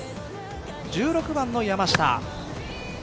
１６番の山下。